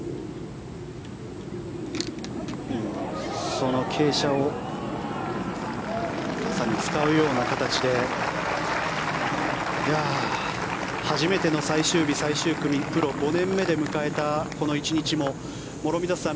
その傾斜を使うような形で初めての最終日、最終組プロ５年目で迎えたこの１日も、諸見里さん